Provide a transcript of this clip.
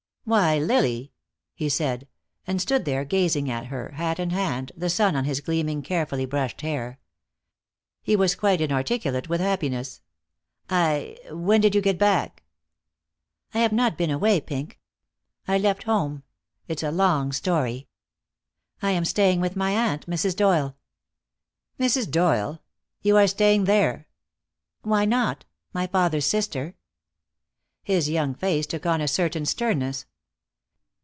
"Why, Lily!" he said, and stood there, gazing at her, hat in hand, the sun on his gleaming, carefully brushed hair. He was quite inarticulate with happiness. "I when did you get back?" "I have not been away, Pink. I left home it's a long story. I am staying with my aunt, Mrs. Doyle." "Mrs. Doyle? You are staying there?" "Why not? My father's sister." His young face took on a certain sternness.